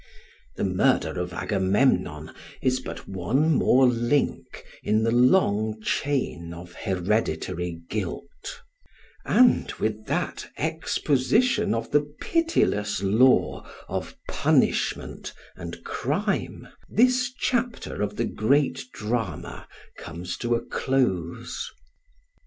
The murder of Agamemnon is but one more link in the long chain of hereditary guilt; and with that exposition of the pitiless law of punishment and crime this chapter of the great drama comes to a close.